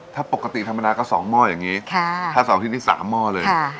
ถ้าปกติธรรมดาก็สองหม้ออย่างเงี้ยค่ะถ้าสองที่นี่สามหม้อเลยค่ะ